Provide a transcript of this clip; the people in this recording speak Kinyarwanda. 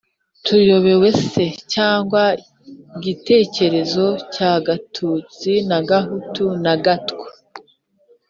tuyobewe se cya gitekerezo cya gatutsi na gahutu, na gatwa?